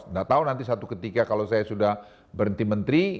nggak tahu nanti satu ketika kalau saya sudah berhenti menteri